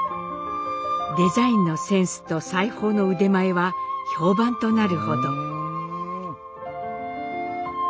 デザインのセンスと裁縫の腕前は評判となるほど。